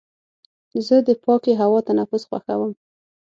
زه د پاکې هوا تنفس خوښوم.